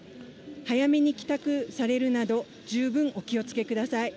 早めに帰宅されるなど、十分お気をつけください。